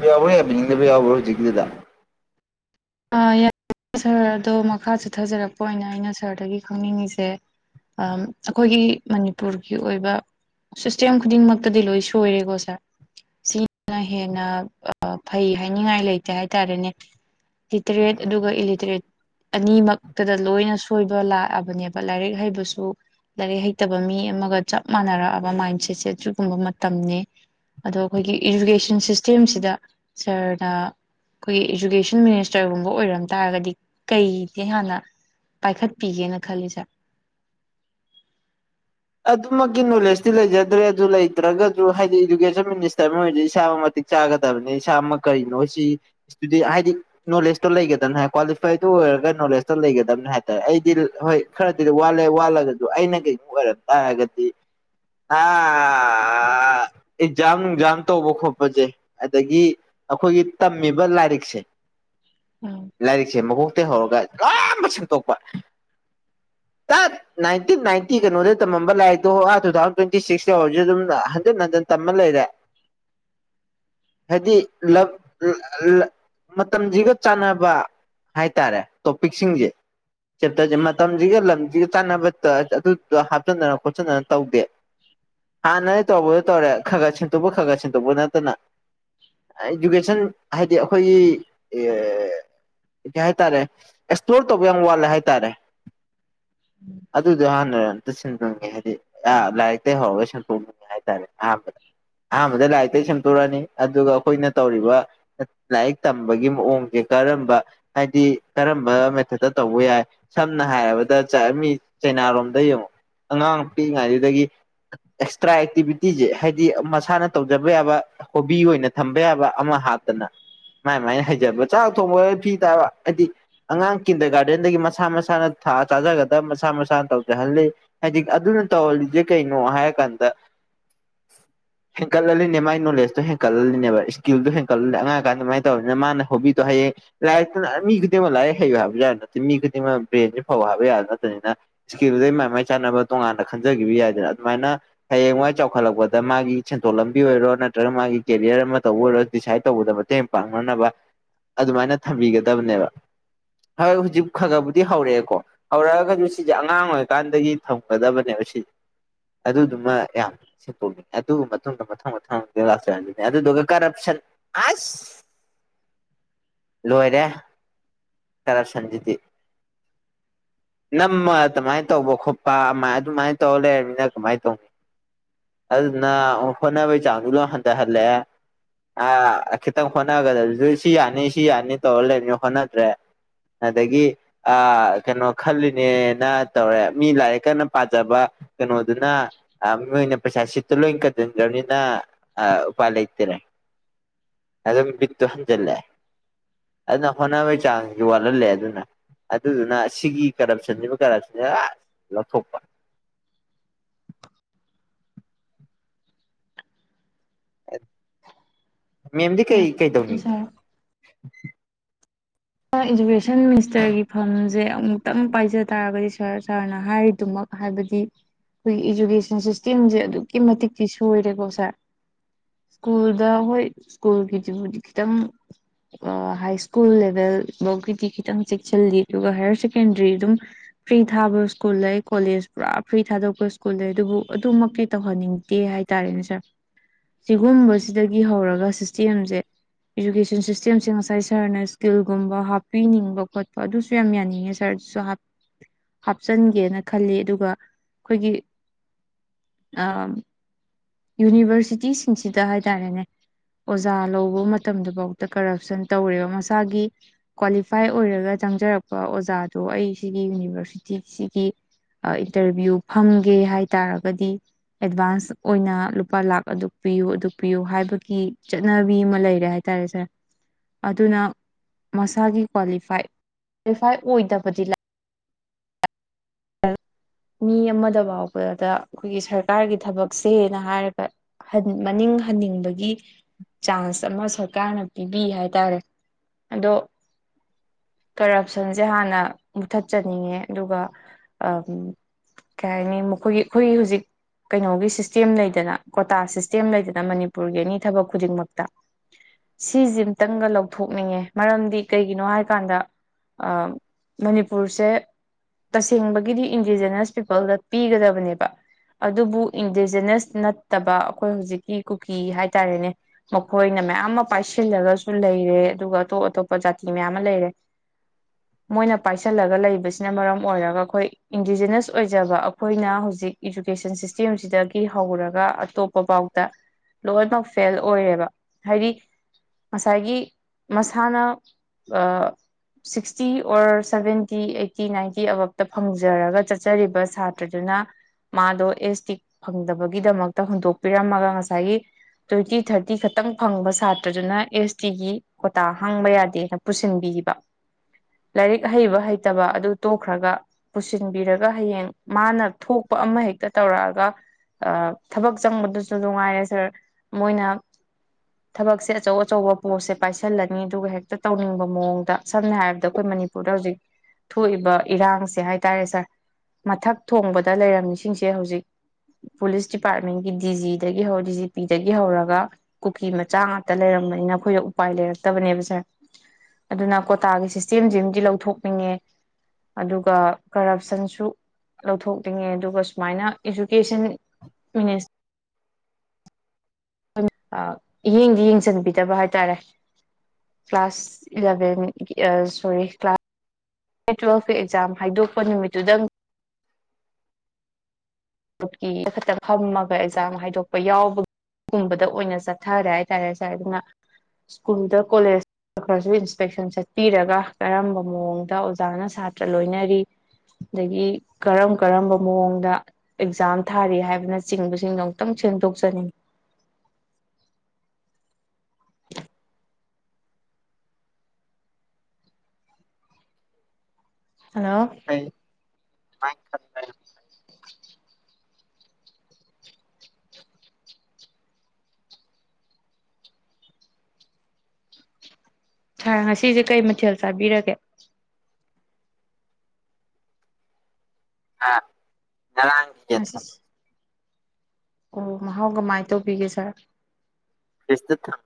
B ꯌꯥꯎꯕꯔ ꯌꯥꯕꯤꯅꯤꯡꯗꯕ ꯌꯥꯎꯕ꯭ꯔ ꯍꯧꯖꯤꯛꯀꯤꯗꯨꯗ ꯑꯥ [unintelligible] ꯁꯥꯔ ꯑꯗꯣ ꯃꯈꯥ ꯆꯠꯊꯖꯔꯛꯄ ꯑꯣꯏꯅ ꯑꯩꯅ ꯁꯥꯔꯗꯒꯤ ꯈꯪꯅꯤꯡꯉꯤꯁꯦ ꯑꯥ ꯑꯩꯈꯣꯏꯒꯤ ꯃꯅꯤꯄꯨꯔꯒꯤ ꯑꯣꯏꯕ ꯁꯤꯁꯇꯦꯝ ꯈꯨꯗꯤꯡꯃꯛꯇꯗꯤ ꯂꯣꯏ ꯁꯣꯏꯔꯦꯀꯣ ꯁꯥꯔ ꯁꯤꯅ ꯍꯦꯟꯅ ꯐꯩ ꯍꯥꯏꯅꯤꯡꯉꯥꯏ ꯂꯩꯇꯦ ꯍꯥꯏꯇꯥꯔꯦꯅꯦ ꯂꯤꯇꯔꯦꯠ ꯑꯗꯨꯒ ꯏꯂꯤꯇꯔꯦꯠ ꯑꯅꯤꯃꯛꯇꯗ ꯂꯣꯏꯅ ꯁꯣꯏꯕ ꯂꯥꯛꯑꯕꯅꯦꯕ ꯂꯥꯏꯔꯤꯛ ꯍꯩꯕꯁꯨ ꯂꯥꯏꯔꯤꯛ ꯍꯩꯇꯕ ꯃꯤ ꯑꯃꯒ ꯆꯞ ꯃꯥꯟꯅꯔꯛꯑꯕ ꯃꯥꯏꯟ ꯁꯦꯠꯁꯦ ꯁꯤꯒꯨꯝꯕ ꯃꯇꯝꯅꯦ ꯑꯗꯣ ꯑꯩꯈꯣꯏꯒꯤ ꯏꯖꯨꯀꯦꯁꯟ ꯁꯤꯁꯇꯦꯝꯁꯤꯗ ꯁꯥꯔꯅ ꯑꯩꯈꯣꯏꯒꯤ ꯏꯖꯨꯀꯦꯁꯟ ꯃꯤꯅꯤꯁ ꯆꯔꯒꯨꯝꯕ ꯑꯣꯏꯔꯝ ꯇꯥꯔꯒꯗꯤ ꯀꯩꯗꯤ ꯍꯥꯟꯅ ꯄꯥꯏꯈꯠꯄꯤꯒꯦꯅ ꯈꯜꯂꯤ ꯁꯥꯔ ꯑꯗꯨꯃꯛꯀꯤ ꯅꯣꯂꯦꯖꯇꯤ ꯂꯩꯖꯗ꯭ꯔꯦ ꯑꯗꯨ ꯂꯩꯇ꯭ꯔꯒꯁꯨ ꯍꯥꯏꯗꯤ ꯏꯗꯨꯀꯦꯁꯟ ꯃꯤꯅꯤꯁꯇꯔ ꯑꯃ ꯑꯣꯏꯅꯗꯤ ꯏꯁꯥꯕꯨ ꯃꯇꯤ ꯆꯥꯒꯗꯕꯅꯤ ꯏꯁꯥꯃꯛ ꯀꯔꯤꯅꯣ ꯁꯤ ꯏꯁꯗꯤ ꯍꯥꯏꯗꯤ ꯅꯣꯂꯦꯁꯇꯣ ꯂꯩꯒꯗꯕꯅꯤ ꯍꯥꯏ ꯀ꯭ꯋꯥꯂꯤꯐꯥꯏꯗꯨꯣ ꯑꯣꯏꯔꯒ ꯅꯣꯂꯦꯖꯇ ꯂꯩꯒꯗꯕꯅꯦ ꯍꯥꯏꯇꯥꯔꯦ ꯑꯩꯗꯤ ꯍꯣꯏ ꯈꯔꯗꯤ ꯑꯗꯨ ꯋꯥꯠꯂꯦ ꯋꯥꯠꯂꯒꯁꯨ ꯑꯩꯅ ꯀꯩꯅꯒꯣ ꯑꯣꯏꯔꯝ ꯇꯥꯔꯒꯗꯤ ꯑꯥ ꯑꯦꯛꯖꯥꯝ ꯅꯨꯡꯖꯥꯝ ꯇꯧꯕ ꯈꯣꯠꯄꯁꯦ ꯑꯗꯒꯤ ꯑꯩꯈꯣꯏꯒꯤ ꯇꯝꯃꯤꯕ ꯂꯥꯏꯔꯤꯛꯁꯦ ꯎꯝ ꯂꯥꯏꯔꯤꯛꯁꯦ ꯃꯈꯛ ꯍꯧꯔꯒ ꯌꯥꯝꯕ ꯁꯦꯡꯛꯇꯣꯛꯄ ꯅꯥꯏꯟꯇꯤꯟ ꯅꯥꯏꯟꯇꯤ ꯀꯩꯅꯣꯗ ꯇꯃꯝꯕ ꯂꯥꯛꯗꯣꯥ ꯇꯨ ꯊꯥꯎꯖꯟ ꯇ꯭ꯋꯦꯟꯇꯤ ꯁꯤꯛꯁ ꯌꯥꯧꯔꯁꯨ ꯑꯗꯨꯝ ꯍꯟꯖꯤꯟ ꯍꯟꯖꯤꯟ ꯇꯝꯕ ꯂꯩꯔꯦ ꯍꯥꯏꯗꯤ ꯃꯇꯝꯁꯤꯒ ꯆꯥꯟꯅꯕ ꯍꯥꯏꯇꯥꯔꯦ ꯇꯣꯄꯤꯛꯁꯤꯡꯁꯦ ꯆꯦꯞꯇꯔꯁꯦ ꯃꯇꯝꯁꯤꯒ ꯂꯝꯁꯤꯒ ꯆꯥꯟꯅꯕ ꯈꯣꯆꯤꯟꯗꯅ ꯈꯣꯠꯆꯤꯟꯗꯅ ꯇꯧꯗꯦ ꯍꯥꯟꯅ ꯑꯩ ꯇꯧꯕꯗꯣ ꯇꯧꯔꯦ ꯈꯥ ꯈꯠ ꯁꯤꯟꯠꯇꯣꯛꯄ ꯈꯥꯒꯠ ꯁꯤꯟꯇꯣꯛꯄ ꯅꯠꯇꯅ ꯏꯗꯨꯀꯦꯁꯟ ꯍꯥꯏꯗꯤ ꯑꯩꯈꯣꯏꯒꯤ ꯀ ꯀꯩ ꯍꯥꯏꯇꯥꯔꯦ ꯑꯦꯛꯁꯄ꯭ꯂꯣꯔ ꯇꯧꯕ ꯌꯥꯝ ꯋꯥꯠꯂꯦ ꯍꯥꯏꯇꯥꯔꯦ ꯑꯗꯨꯗꯤꯅꯦ ꯗꯣꯛꯅꯤꯡꯉꯦ ꯍꯥꯏꯗꯤ ꯂꯥꯏꯔꯤꯛꯇ ꯍꯧꯔꯒ ꯁꯤꯟꯗꯣꯛꯅꯤꯡꯉꯦ ꯍꯥꯏꯇꯥꯔꯦ ꯑꯍꯥꯟꯕꯗ ꯑꯍꯥꯟꯕꯗ ꯂꯥꯏꯔꯤꯇꯩ ꯁꯦꯝꯗꯣꯔꯅꯤ ꯑꯗꯨꯒ ꯑꯩꯈꯣꯏꯅ ꯇꯧꯔꯤꯕ ꯂꯥꯏꯔꯤꯛ ꯇꯝꯕꯒꯤ ꯃꯑꯣꯡꯁꯦ ꯀꯔꯝꯕ ꯍꯥꯏꯗꯤ ꯀꯔꯝꯕ ꯃꯦꯊꯠꯇ ꯇꯧꯕ ꯌꯥꯏ ꯁꯝꯅ ꯍꯥꯏꯔꯕꯗ ꯆꯠꯑꯝꯃꯤ ꯆꯩꯅꯥꯔꯣꯝꯗ ꯌꯦꯡꯉꯨꯛ ꯑꯉꯥꯡ ꯄꯤꯛꯏꯉꯥꯏꯗꯨꯗꯒꯤ ꯑꯦꯛꯁꯇ꯭ꯔꯥ ꯑꯦꯛꯇꯤꯚꯤꯇꯤꯁꯦ ꯍꯥꯏꯗꯤ ꯃꯁꯥꯅ ꯇꯧꯖꯕ ꯌꯥꯕ ꯍꯣꯕꯤ ꯑꯣꯏꯅ ꯊꯝꯕ ꯌꯥꯕ ꯑꯃ ꯍꯥꯞꯇꯅ ꯃꯥꯏ ꯃꯥꯏꯅ ꯍꯩꯖꯕ ꯆꯥꯛ ꯊꯣꯡꯕ ꯐꯤ ꯇꯥꯕ ꯍꯥꯏꯗꯤ ꯑꯉꯥꯡ ꯀꯤꯟꯗ ꯒꯥꯔꯗꯦꯟꯗꯒꯤ ꯃꯁꯥ ꯃꯁꯥꯅ ꯊꯥ ꯆꯥꯖꯒꯗꯕ ꯃꯁꯥ ꯃꯁꯥꯅ ꯇꯧꯖꯍꯜꯂꯤ ꯍꯥꯏꯖꯤꯛ ꯑꯗꯨꯅ ꯇꯧꯍꯜꯂꯤꯁꯦ ꯀꯩꯅꯣ ꯍꯥꯏꯔ ꯀꯥꯟꯗ [inaudible] ꯍꯦꯟꯀꯠꯍꯜꯂꯤꯅꯦ ꯃꯥꯏ ꯅꯣꯂꯦꯖꯇꯣ ꯍꯦꯟꯀꯠꯍꯜꯂꯤꯅꯦꯕ ꯏꯁꯀꯤꯜꯗꯣ ꯍꯦꯟꯀꯠꯂꯅꯤ ꯑꯉꯥꯡ ꯀꯥꯟꯗ ꯑꯗꯨꯃꯥꯏꯅ ꯇꯧꯔꯤꯅꯤꯅ ꯃꯥꯅ ꯍꯣꯕꯤꯗꯣ ꯍꯌꯦꯡ ꯂꯥꯏꯔꯤꯛꯇ ꯃꯤ ꯈꯨꯗꯤꯡꯃꯛ ꯂꯥꯏꯔꯤꯛ ꯍꯩꯕ ꯍꯥꯏꯕꯁꯨ ꯌꯥꯔ ꯅꯠꯇꯦ ꯃꯤꯒꯤꯗꯤꯡꯃ ꯕ꯭ꯔꯦꯟꯁꯦ ꯐꯧꯕ ꯍꯥꯏꯕ ꯌꯥꯕ ꯅꯠꯇꯅꯤꯅ ꯏꯁꯀꯤꯜꯖꯦ ꯃꯥꯏ ꯃꯥꯏ ꯆꯥꯟꯅꯕ ꯇꯣꯉꯥꯟꯅ ꯈꯟꯖꯒꯤꯕ ꯌꯥꯏꯗꯅ ꯑꯗꯨꯃꯥꯏꯅ ꯍꯌꯦꯡꯋꯥꯏ ꯆꯥꯎꯈꯠꯂꯛꯄꯗ ꯃꯥꯒꯤ ꯁꯦꯟꯊꯣꯛ ꯂꯝꯕꯤ ꯑꯣꯏꯔꯣ ꯅꯠꯇ꯭ꯔꯒ ꯃꯥꯒꯤ ꯀꯦꯔꯤꯌꯔ ꯑꯃ ꯇꯧꯕ ꯑꯣꯏꯔꯣ ꯗꯤꯁꯥꯏꯠ ꯇꯧꯕꯗ ꯃꯇꯦꯡ ꯄꯥꯡꯅꯅꯕ ꯑꯗꯨꯃꯥꯏꯅ ꯊꯝꯕꯤꯒꯗꯕꯅꯦꯕ ꯍꯣꯏ ꯍꯧꯖꯤꯛ ꯈꯔ ꯒꯕꯨꯗꯤ ꯍꯧꯔꯛꯑꯦꯀꯣ ꯍꯧꯔꯛꯑꯒꯁꯨ ꯁꯤꯁꯦ ꯑꯉꯥꯡ ꯑꯣꯏꯔꯤꯀꯥꯟꯗꯒꯤ ꯊꯝꯒꯗꯕꯅꯦꯕ ꯁꯤ ꯑꯗꯨꯗꯨꯃ ꯌꯥꯝ ꯁꯦꯝꯇꯣꯛꯅꯤꯡꯉꯦ ꯑꯗꯨ ꯃꯇꯨꯡꯗ ꯃꯊꯪ ꯃꯊꯪ ꯑꯗ ꯂꯥꯛꯆꯔꯅꯤꯅꯦ ꯑꯗꯨꯗꯨꯒ ꯀꯔꯞꯁꯟ ꯑꯁ [inaudible] ꯂꯣꯏꯔꯦ ꯀꯔꯞꯁꯟꯖꯤꯗꯤ ꯅꯝꯃ ꯑꯗꯨꯃꯥꯏ ꯇꯧꯕ ꯈꯣꯞ ꯄ ꯑꯃꯥꯏ ꯗꯨꯃꯥꯏ ꯇꯧ ꯂꯩꯔꯃꯤꯅ ꯀꯃꯥꯏ ꯇꯧꯅꯤ ꯑꯗꯨꯗꯨꯅ ꯍꯣꯠꯅꯕꯩ ꯆꯥꯡꯗꯨ ꯂꯣꯏ ꯍꯟꯗꯍꯜꯂꯛꯑꯦ ꯑ ꯈꯤꯇꯪ ꯍꯣꯠꯅꯒꯗꯕꯖꯨ ꯁꯤ ꯌꯥꯅꯤ ꯁꯤ ꯌꯥꯅꯤ ꯇꯧꯔ ꯂꯩꯕꯅꯤꯅ ꯍꯣꯠꯅꯗ꯭ꯔꯦ ꯑꯗꯒꯤ ꯑ ꯀꯩꯅꯣ ꯈꯜꯂꯤꯅꯦꯅ ꯇꯧꯔꯦ ꯃꯤ ꯂꯥꯏꯔꯤꯛ ꯀꯟꯅ ꯄꯥꯖꯕ ꯀꯩꯅꯣꯗꯨꯅ ꯑ ꯃꯤꯑꯣꯏꯅ ꯄꯩꯁꯥ ꯁꯤꯠꯇ ꯂꯣꯏ ꯀꯟꯖꯟꯈꯒ꯭ꯔꯕꯅꯤꯅ ꯑ ꯎꯄꯥꯏ ꯂꯩꯇꯦ ꯑꯗꯨꯝ ꯕꯤꯠꯇ ꯍꯟꯖꯟꯂꯦ ꯑꯗꯨꯅ ꯍꯣꯠꯅꯕꯩ ꯆꯥꯡꯖꯤꯖꯨ ꯋꯥꯠꯍꯜꯂꯦ ꯑꯗꯨꯅ ꯑꯗꯨꯗꯨꯅ ꯁꯤꯒꯤ ꯀꯔꯞꯁꯟꯁꯤꯕꯨ ꯀꯔꯞꯁꯟꯁꯤ ꯑ ꯂꯧꯊꯣꯛꯄ ꯃꯦꯝꯗꯤ ꯌꯥꯝ ꯀꯩ ꯐꯔꯦ ꯀꯩꯗꯧꯅꯤ ꯁꯥꯔ ꯑ ꯏꯗꯨꯀꯦꯁꯟ ꯃꯤꯅꯤꯁꯇꯔꯒꯤ ꯐꯝꯁꯦ ꯑꯃꯨꯛꯇꯪ ꯄꯥꯏꯖ ꯇꯥꯔꯒꯗꯤ ꯁꯥꯔ ꯁꯥꯔꯅ ꯍꯥꯏꯔꯤꯗꯨꯃꯛ ꯍꯥꯏꯕꯗꯤ ꯑꯩꯈꯣꯏꯒꯤ ꯏꯖꯨꯀꯦꯁꯟ ꯁꯤꯁꯇꯦꯝꯁꯦ ꯑꯗꯨꯛꯀꯤ ꯃꯇꯤꯛꯛꯇꯤ ꯁꯣꯏꯔꯦꯀꯣ ꯁꯥꯔ ꯁ꯭ꯀꯨꯜꯗ ꯍꯣꯏ ꯁ꯭ꯀꯨꯜꯒꯤꯖꯤꯕꯨꯗꯤ ꯈꯤꯇꯪ ꯑ ꯍꯥꯏ ꯁ꯭ꯀꯨꯜ ꯂꯦꯚꯦꯜꯕꯧꯒꯤꯗꯤ ꯈꯤꯇꯪ ꯆꯦꯛꯁꯤꯜꯂꯤ ꯑꯗꯨꯒ ꯍꯥꯏꯌꯔ ꯁꯦꯀꯦꯟꯗꯔꯤ ꯑꯗꯨꯝ ꯐ꯭ꯔꯤ ꯊꯥꯕ ꯁ꯭ꯀꯨꯜ ꯂꯩ ꯀꯣꯂꯦꯖ ꯄꯨꯔꯥ ꯐ꯭ꯔꯤ ꯊꯥꯗꯣꯛꯄ ꯁ꯭ꯀꯨꯜ ꯂꯩ ꯑꯗꯨꯕꯨ ꯑꯗꯨꯃꯛꯇꯤ ꯇꯧꯍꯟꯅꯤꯡꯗꯦ ꯍꯥꯏ ꯇꯥꯔꯦꯅꯦ ꯁꯥꯔ ꯁꯤꯒꯨꯝꯕꯁꯤꯗꯒꯤ ꯍꯧꯔꯒ ꯁꯤꯁꯇꯦꯝꯁꯦ ꯏꯖꯨꯀꯦꯁꯟ ꯁꯤꯁꯇꯦꯝꯁꯦ ꯉꯁꯥꯏ ꯁꯥꯔꯅ ꯏꯁ꯭ꯀꯤꯜ ꯒꯨꯝꯕ ꯍꯥꯞꯄꯤꯅꯤꯡꯕ ꯈꯣꯠꯄ ꯑꯗꯨꯁꯨ ꯌꯥꯝ ꯌꯥꯅꯤꯡꯉꯦ ꯁꯥꯔꯁꯤꯁꯨ ꯍꯥꯞ ꯍꯥꯞꯆꯟꯒꯦꯅ ꯈꯜꯂꯤ ꯑꯗꯨꯒ ꯑꯈꯣꯏꯒꯤ ꯑ ꯌꯨꯅꯤꯚꯔꯁꯤꯇꯤꯁꯤꯡꯁꯤꯗ ꯍꯥꯏꯇꯥꯔꯦꯅꯦ ꯑꯣꯖꯥ ꯂꯧꯕ ꯃꯇꯝꯗ ꯐꯥꯎꯗ ꯀꯔꯞꯁꯟ ꯇꯧꯔꯦꯕ ꯃꯁꯥꯒꯤ ꯀ꯭ꯋꯥꯂꯤꯐꯥꯏ ꯑꯣꯏꯔꯒ ꯆꯪꯖꯔꯛꯄ ꯑꯣꯖꯥꯗꯣ ꯑꯩ ꯁꯤꯒꯤ ꯌꯨꯅꯤꯚꯔꯁꯤꯇꯤꯁꯤꯒꯤ ꯑ ꯏꯟꯇꯔꯚ꯭ꯌꯨ ꯐꯝꯒꯦ ꯍꯥꯏꯇꯥꯔꯒꯗꯤ ꯑꯦꯗꯚꯥꯟꯁ ꯑꯣꯏꯅ ꯂꯨꯄꯥ ꯂꯥꯛ ꯑꯗꯨꯛ ꯄꯤꯌꯨ ꯑꯗꯨꯛ ꯄꯤꯌꯨ ꯍꯥꯏꯕꯒꯤ ꯆꯠꯅꯕꯤ ꯑꯃ ꯂꯩꯔꯦ ꯍꯥꯏꯇꯥꯔꯦ ꯁꯥꯔ ꯑꯗꯨꯅ ꯃꯁꯥꯒꯤ ꯀ꯭ꯋꯥꯂꯤꯐꯥꯏ ꯀ꯭ꯋꯥꯂꯤꯐꯥꯏ ꯑꯣꯏꯗꯕꯗꯤꯅ [unintelligible] ꯃꯤ ꯑꯃꯗ ꯐꯥꯎꯕꯗ ꯑꯩꯈꯣꯏꯒꯤ ꯁꯔꯀꯥꯔꯒꯤ ꯊꯕꯛꯁꯦꯅ ꯍꯥꯏꯔꯒ ꯍꯟ ꯃꯅꯤꯡ ꯍꯟꯅꯤꯡꯕꯒꯤ ꯆꯥꯟꯁ ꯑꯃ ꯁꯔꯀꯥꯔꯅ ꯄꯤꯕꯤ ꯍꯥꯏꯇꯥꯔꯦ ꯑꯗꯣ ꯀꯔꯞꯁꯟꯁꯦ ꯍꯥꯟꯅ ꯃꯨꯊꯠꯆꯅꯤꯡꯉꯦ ꯑꯗꯨꯒ ꯑ ꯀꯩ ꯍꯥꯏꯅꯤ ꯃꯈꯣꯏꯒꯤ ꯑꯩꯈꯣꯏꯒꯤ ꯍꯧꯖꯤꯛ ꯀꯩꯅꯣꯒꯤ ꯁꯤꯁꯇꯦꯝ ꯂꯩꯗꯅ ꯀꯣꯇꯥ ꯁꯤꯁꯇꯦꯝ ꯂꯩꯗꯅ ꯃꯅꯤꯄꯨꯔꯒꯤ ꯑꯦꯅꯤ ꯊꯕꯛ ꯈꯨꯗꯤꯡꯃꯛꯇ ꯁꯤꯖꯤ ꯑꯝꯇꯪꯒ ꯂꯧꯊꯣꯛꯅꯤꯡꯉꯦ ꯃꯔꯝꯗꯤ ꯀꯩꯒꯤꯅꯣ ꯍꯥꯏꯀꯥꯟꯗ ꯑ ꯃꯅꯤꯄꯨꯔꯁꯦ ꯇꯁ‌ꯦꯡꯕꯒꯤꯗꯤ ꯏꯟꯗꯤꯖꯤꯅꯁ ꯄꯤꯄꯜꯗ ꯄꯤꯒꯗꯕꯅꯦꯕ ꯑꯗꯨꯕꯨ ꯏꯟꯗꯤꯖꯤꯅꯁ ꯅꯠꯇꯕ ꯑꯩꯈꯣꯏ ꯍꯧꯖꯤꯛꯀꯤ ꯀꯨꯀꯤ ꯍꯥꯏꯇꯥꯔꯦꯅꯦ ꯃꯈꯣꯏꯅ ꯃꯌꯥꯝ ꯑꯃ ꯄꯥꯏꯁꯤꯜꯂꯒꯁꯨ ꯂꯩꯔꯦ ꯑꯗꯨꯒ ꯑꯇꯣꯞ ꯑꯇꯣꯞꯄ ꯖꯥꯇꯤ ꯃꯌꯥꯝ ꯑꯃ ꯂꯩꯔꯦ ꯃꯣꯏꯅ ꯄꯥꯏꯁꯜꯂꯒ ꯂꯩꯕꯁꯤꯅ ꯃꯔꯝ ꯑꯣꯏꯔꯒ ꯑꯩꯈꯣꯏ ꯏꯟꯗꯤꯖꯤꯅꯁ ꯑꯣꯏꯖꯕ ꯑꯩꯈꯣꯏꯅ ꯍꯧꯖꯤꯛ ꯏꯖꯨꯀꯦꯁꯟ ꯁꯤꯁꯇꯦꯝꯁꯤꯗꯒꯤ ꯍꯧꯔꯒ ꯑꯇꯣꯞ ꯐꯥꯎꯇ ꯂꯣꯏꯅꯃꯛ ꯐꯦꯜ ꯑꯣꯏꯔꯦꯕ ꯍꯥꯏꯗꯤ ꯉꯁꯥꯏꯒꯤ ꯃꯁꯥꯅ ꯑ sixty or seventy eighty ninety ꯑꯕꯞ ꯇ ꯐꯪꯖꯔꯒ ꯆꯠꯆꯔꯤꯕ ꯁꯥꯇ꯭ꯔꯗꯨꯅ ꯃꯥꯗꯣ ꯑꯦꯁ ꯇꯤ ꯐꯪꯗꯕꯒꯤꯗꯃꯛꯇ ꯍꯨꯟꯗꯣꯛꯄꯤꯔꯝꯃꯒ ꯉꯁꯥꯏꯒꯤ ꯇ꯭ꯋꯦꯟꯇꯤ ꯊꯥꯔꯇꯤ ꯈꯛꯇꯪ ꯐꯪꯕ ꯁꯥꯇ꯭ꯔꯗꯨꯅ ꯑꯦꯁ ꯇꯤꯒꯤ ꯀꯣꯇꯥ ꯍꯥꯡꯕ ꯌꯥꯗꯦꯅ ꯄꯨꯁꯤꯟꯕꯤꯈꯤꯕ꯫ ꯂꯥꯏꯔꯤꯛ ꯍꯩꯕ ꯍꯩꯇꯕ ꯑꯗꯨ ꯇꯣꯛꯈ꯭ꯔꯒ꯫ ꯄꯨꯁꯤꯟꯕꯤꯔꯒ ꯍꯌꯦꯡ ꯃꯥꯅ ꯊꯣꯛꯄ ꯑꯃ ꯍꯦꯛꯇ ꯇꯧꯔꯛꯑꯒ꯫ ꯑ ꯊꯕꯛ ꯆꯪꯕꯗꯁꯨ ꯑꯗꯨꯉꯥꯏꯔꯦ ꯁꯔ ꯃꯣꯏꯅ ꯊꯕꯛꯁꯦ ꯑꯆꯧ ꯑꯆꯧꯕ ꯄꯣꯠꯁꯁꯦ ꯄꯥꯏꯁꯜꯂꯅꯤ ꯑꯗꯨꯒ ꯍꯦꯛꯇ ꯇꯧꯅꯤꯡꯕ ꯃꯑꯣꯡꯗ ꯁꯝꯅ ꯍꯥꯏꯔꯕꯗ ꯑꯩꯈꯣꯏ ꯃꯅꯤꯄꯨꯔ ꯄꯨꯔꯗ ꯍꯧꯖꯤꯛ ꯊꯣꯛꯏꯕ ꯏꯔꯥꯡꯁꯤ꯫ ꯁꯦ ꯍꯥꯏꯇꯥꯔꯦ ꯁꯥꯔ ꯃꯊꯛ ꯊꯣꯡꯕꯗ ꯂꯩꯔꯝꯃꯤꯁꯤꯡꯁꯦ ꯍꯧꯖꯤꯛ꯫ ꯄꯨꯂꯤꯁ ꯗꯤꯄꯥꯔꯠꯃꯦꯟꯒꯤ ꯗꯤꯖꯤꯗꯒꯤ ꯍꯧꯔ ꯗꯤꯖꯤ ꯄꯤꯗꯒꯤ ꯍꯧꯔꯒ꯫ ꯀꯨꯀꯤ ꯃꯆꯥ ꯉꯥꯛꯇ ꯂꯩꯔꯝꯕꯅꯤꯅ ꯑꯩꯈꯣꯏꯅ ꯎꯄꯥꯏ ꯂꯩꯔꯛꯇꯕꯅꯦꯕ ꯁꯥꯔ꯫ ꯑꯗꯨꯅ ꯀꯣꯇꯥꯒꯤ ꯁꯤꯁꯇꯦꯝꯁꯤꯃꯗꯤ ꯂꯧꯊꯣꯛꯅꯤꯡꯉꯦ ꯑꯗꯨꯒ ꯒ ꯀꯔꯞꯁꯟꯁꯨ꯫ ꯂꯧꯊꯣꯛꯅꯤꯡꯉꯦ ꯑꯗꯨꯒ ꯁꯨꯃꯥꯏꯅ ꯏꯖꯨꯀꯦꯁꯟ ꯃꯤꯅꯤꯁ ꯑ ꯏꯌꯦꯡꯗꯤ ꯌꯦꯡꯁꯤꯟꯕꯤꯗꯕ ꯍꯥꯏꯇꯥꯔꯦ꯫ ꯀ꯭ꯂꯥꯁ ꯏꯂꯚꯦꯟ ꯑ ꯁꯣꯔꯤ ꯀ꯭ꯂꯥꯁ ꯇꯨꯋꯦꯜꯐꯀꯤ ꯑꯦꯛꯖꯥꯝ ꯍꯥꯏꯗꯣꯛꯄ ꯅꯨꯃꯤꯠꯇꯨꯗꯪ꯫ [unintelligible] ꯈꯠꯇꯪ ꯐꯝꯃꯒ ꯑꯦꯛꯖꯥꯝ ꯍꯥꯏꯗꯣꯛꯄ ꯌꯥꯎꯕ ꯀꯨꯝꯕꯗ ꯑꯣꯏꯅ ꯆꯠꯊꯔꯦ ꯍꯥꯏꯇꯥꯔꯦ ꯁꯥꯔ ꯑꯗꯨꯅ ꯁ꯭ꯀꯨꯜꯗ ꯀꯣꯂꯦꯖ ꯈꯔꯁꯨ ꯏꯟꯁꯄꯦꯛꯁꯟ ꯆꯠꯄꯤꯔꯒ ꯀꯔꯝꯕ ꯃꯑꯣꯡꯗ ꯑꯣꯖꯥꯅ ꯁꯥꯇ꯭ꯔ ꯂꯣꯏꯅꯔꯤ ꯑꯗꯒꯤ ꯀꯔꯝ ꯀꯔꯝꯕ ꯃꯑꯣꯡꯗ꯫ ꯑꯦꯛꯖꯥꯝ ꯊꯥꯔꯤ ꯍꯥꯏꯕꯅ ꯆꯤꯡꯕꯁꯤꯡꯗꯣ ꯑꯃꯨꯛꯇꯪ ꯁꯦꯝꯗꯣꯛꯆꯅꯤꯡꯉꯤ꯫ [inaudible] ꯍꯜꯂꯣ꯫ [unintelligible] ꯁꯥꯔ ꯉꯁꯤꯖꯦ ꯀꯩ ꯃꯊꯦꯜ ꯆꯥꯕꯤꯔꯒꯦ꯫ ꯍꯥ ꯉꯔꯥꯡ ꯉꯁꯤꯁꯤ ꯑꯣ ꯃꯍꯥꯎ ꯀꯃꯥꯏꯟ ꯇꯧꯕꯤꯒꯦ ꯁꯔ [unintelligible]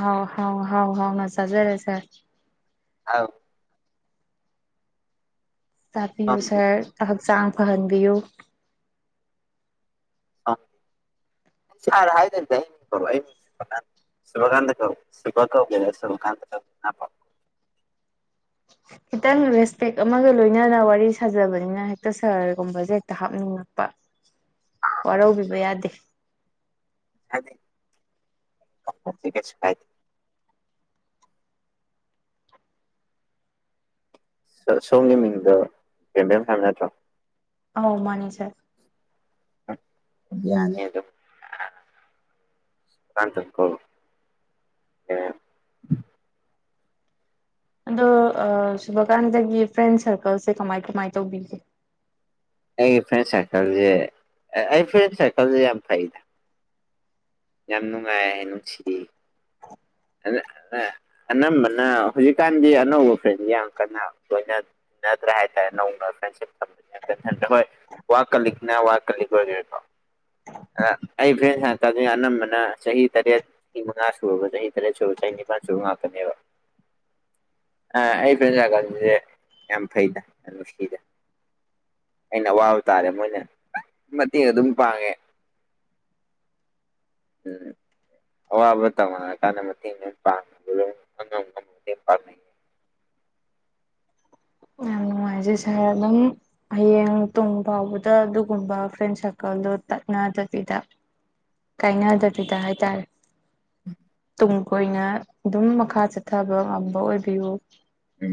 ꯍꯥꯎ ꯍꯥꯎ ꯍꯥꯎ ꯍꯥꯎ ꯅ ꯆꯥꯖꯔꯦ ꯁꯔ [unintelligible] ꯇꯥꯛꯄꯤꯌꯨ ꯊꯝꯅ ꯁꯔ ꯍꯛꯆꯥꯡ ꯐꯍꯟꯕꯤꯌꯨ ꯑ ꯁꯔ ꯍꯥꯏꯗꯕꯤꯗ ꯑꯩ ꯃꯤꯡ ꯀꯧꯔꯛꯑꯣ ꯑꯩ ꯃꯤꯡ [unintelligible] ꯁꯨꯕꯀꯥꯟꯇꯥ‌ ꯀꯧꯏ ꯁꯨꯕ ꯀꯧꯒꯦꯔꯥ [unintelligible] [inaudible] ꯈꯤꯇꯪ ꯔꯦꯁꯄꯦꯛ ꯑꯃꯒ ꯂꯣꯏꯅꯅ ꯋꯥꯔꯤ ꯁꯥꯖꯕꯅꯤꯅ ꯍꯦꯛꯇ ꯁꯔꯒꯨꯝꯕꯖꯦ ꯍꯦꯛꯇ ꯍꯥꯞꯅꯤꯡꯉꯛꯄ ꯋꯥꯔꯧꯕꯤꯕ ꯌꯥꯗꯦ [unintelligible] ꯁꯔ ꯁꯣꯝꯒꯤ ꯃꯤꯡꯗꯣ ꯕꯦꯝꯕꯦꯝ ꯍꯥꯏꯕ ꯅꯠꯇ꯭ꯔꯣ ꯑꯧ ꯃꯥꯅꯤ ꯁꯔ ꯎꯝ ꯌꯥꯅꯦ ꯑꯗꯨꯝ [unintelligible] ꯑꯗꯣ ꯑ ꯁꯨꯕꯀꯥꯟꯇꯥꯒꯤ ꯐ꯭ꯔꯦꯟ ꯁꯔꯀꯜꯁꯦ ꯀꯃꯥꯏ ꯀꯃꯥꯏ ꯇꯧꯕꯤꯒꯦ ꯑꯩꯒꯤ ꯐ꯭ꯔꯦꯟ ꯁꯔꯀꯜꯖꯦ ꯑꯩ ꯐ꯭ꯔꯦꯟ ꯁꯔꯀꯜꯖꯦ ꯌꯥꯝ ꯐꯩꯗ ꯌꯥꯝ ꯅꯨꯡꯉꯥꯏꯌꯦ ꯅꯨꯡꯁꯤ [unintelligible] ꯑꯅꯝꯕꯅ ꯍꯨꯖꯤꯛꯀꯥꯟꯗꯤ ꯑꯅꯧꯕ ꯐ꯭ꯔꯦꯟꯗꯤ ꯌꯥꯝ ꯀꯟꯅ ꯂꯣꯏꯅ ꯅꯗ꯭ꯔꯦ ꯍꯥꯏꯇꯥꯔꯦ ꯅꯧꯅ ꯐ꯭ꯔꯦꯟꯁꯤꯞ ꯊꯝꯕꯖꯦ [unintelligible] ꯋꯥ ꯀꯂꯤꯛꯅ ꯋꯥ ꯀꯂꯤꯛ ꯑꯣꯏꯒ꯭ꯔꯦꯀꯣ ꯈꯔ ꯑꯩ ꯐ꯭ꯔꯦꯟ ꯁꯔꯀꯜꯖꯦ ꯑꯅꯝꯕꯅ ꯆꯍꯤ ꯇꯔꯦꯠ ꯆꯍꯤ ꯃꯉꯥ ꯁꯨꯔꯕ ꯆꯍꯤ ꯇꯔꯦꯠ ꯁꯨꯕ ꯆꯍꯤ ꯅꯤꯄꯥꯟ ꯁꯨꯔꯕ ꯉꯥꯛꯇꯅꯦꯕ ꯑ ꯑꯩ ꯐ꯭ꯔꯦꯟ ꯁꯔꯀꯥꯜꯖꯦ ꯌꯥꯝ ꯐꯩꯗ ꯌꯥꯝ ꯅꯨꯡꯁꯤꯗ ꯑꯩꯅ ꯑꯋꯥꯕ ꯇꯥꯔꯦ ꯃꯣꯏꯅ ꯃꯇꯦꯡ ꯑꯗꯨꯝ ꯄꯥꯡꯉꯦ ꯎꯝ [inaudible] ꯑꯋꯥꯕ ꯇꯧꯅꯔꯥꯀꯥꯟꯗ ꯃꯇꯦꯡ [unintelligible] ꯌꯥꯝ ꯅꯨꯡꯉꯥꯏꯖꯩ ꯁꯔ ꯑꯗꯨꯝ ꯍꯌꯦꯡ ꯇꯨꯡ ꯐꯥꯎꯕꯗ ꯑꯗꯨꯒꯨꯝꯕ ꯐ꯭ꯔꯦꯟ ꯁꯔꯀꯜꯗꯣ ꯇꯠꯅꯗꯕꯤꯗ ꯀꯥꯏꯅꯗꯕꯤꯗ ꯍꯥꯏꯇꯥꯔꯦ [unintelligible] ꯇꯨꯡ ꯀꯣꯏꯅ ꯑꯗꯨꯝ ꯃꯈꯥ ꯆꯠꯊꯕ ꯉꯝꯕ ꯑꯣꯏꯕꯤꯌꯨ ꯎꯝ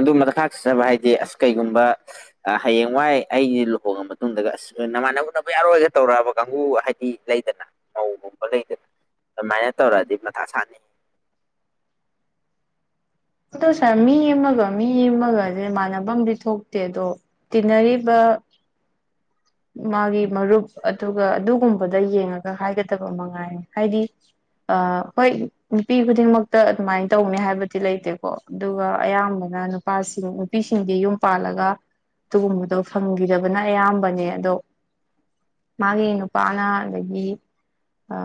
ꯑꯗꯨꯝꯕꯗ ꯈꯥꯛꯁ ꯆꯠꯆꯕ ꯍꯥꯏꯗꯤ ꯑꯁ ꯀꯩꯒꯨꯝꯕ ꯑ ꯍꯌꯦꯡ ꯋꯥꯏ ꯑꯩꯖꯦ ꯂꯨꯍꯣꯡꯉ ꯃꯇꯨꯡꯗꯒ ꯑꯁ ꯑ ꯅꯃꯥꯟꯅꯕ ꯎꯟꯅꯕ ꯌꯥꯔꯣꯏꯒ ꯇꯧꯔꯛꯑꯕ ꯀꯥꯡꯒꯨ ꯍꯥꯏꯗꯤ ꯂꯩꯗꯅ ꯃꯧꯒꯨꯝꯕ ꯂꯩꯗꯅ ꯑꯗꯨꯃꯥꯏꯅ ꯇꯧꯔꯛꯑꯗꯤ ꯃꯊꯥ ꯁꯥꯅꯤꯍꯦ ꯑꯗꯨ ꯁꯔ ꯃꯤ ꯑꯃꯒ ꯃꯤ ꯑꯃꯒꯖꯦ ꯃꯥꯟꯅꯕꯝꯗꯤ ꯊꯣꯛꯇꯦ ꯑꯗꯣ ꯇꯤꯟꯅꯔꯤꯕ ꯃꯥꯒꯤ ꯃꯔꯨꯞ ꯑꯗꯨꯒ ꯑꯗꯨꯒꯨꯝꯕꯗ ꯌꯦꯡꯉꯒ ꯍꯥꯏꯒꯗꯕ ꯃꯉꯥꯏꯔꯦ ꯍꯥꯏꯗꯤ ꯑ ꯍꯣꯏ ꯅꯨꯄꯤ ꯈꯨꯗꯤꯡꯃꯛꯇ ꯑꯗꯨꯃꯥꯏꯟ ꯇꯧꯅꯤ ꯍꯥꯏꯕꯗꯤ ꯂꯩꯇꯦ ꯀꯣ ꯑꯗꯨꯒ ꯑꯌꯥꯝꯕꯅ ꯅꯨꯄꯥꯁꯤꯡ ꯅꯨꯄꯤꯁꯤꯡꯗꯤ ꯌꯨꯝ ꯄꯥꯜꯂꯒ ꯑꯗꯨꯒꯨꯝꯕꯗꯣ ꯐꯪꯒꯤꯗꯕꯅ ꯑꯌꯥꯝꯕꯅꯦ ꯑꯗꯣ ꯃꯥꯒꯤ ꯅꯨꯄꯥꯅ ꯑꯗꯒꯤ ꯑ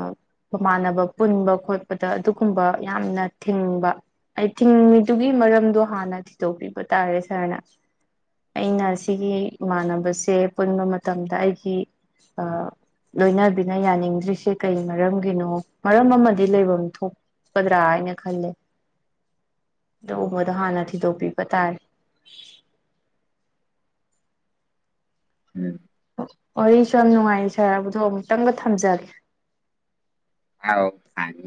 ꯃꯃꯥꯟꯅꯕ ꯄꯨꯟꯕ ꯈꯣꯠꯄꯗ ꯑꯗꯨꯒꯨꯝꯕ ꯌꯥꯝꯅ ꯊꯤꯡꯕ ꯑꯩ ꯊꯤꯡꯉꯤꯗꯨꯒꯤ ꯃꯔꯝꯗꯣ ꯍꯥꯟꯅ ꯊꯤꯗꯣꯛꯄꯤꯕ ꯇꯥꯔꯦ ꯁꯔꯅ ꯑꯩꯅ ꯁꯤꯒꯤ ꯏꯃꯥꯟꯅꯕꯁꯦ ꯄꯨꯟꯕ ꯃꯇꯝꯗ ꯑꯩꯒꯤ ꯑ ꯂꯣꯏꯅꯕꯤꯅ ꯌꯥꯅꯤꯡꯗ꯭ꯔꯤꯁꯦ ꯀꯩ ꯃꯔꯝꯒꯤꯅꯣ ꯃꯔꯝ ꯑꯃꯗꯤ ꯂꯩꯐꯝ ꯊꯣꯛ ꯀꯗ꯭ꯔꯥ ꯍꯥꯏꯅ ꯈꯜꯂꯦ ꯑꯗꯨꯒꯨꯝꯕꯗꯣ ꯍꯥꯟꯅ ꯊꯤꯗꯣꯛꯄꯤꯕ ꯇꯥꯔꯦ ꯎꯝ ꯋꯥꯔꯤꯁꯨ ꯌꯥꯝ ꯅꯨꯡꯉꯥꯏ ꯁꯥꯔ ꯑꯗꯨꯗꯣ ꯑꯃꯨꯛꯇꯪꯒ ꯊꯝꯖꯒꯦ ꯑꯥꯎ ꯐꯅꯤ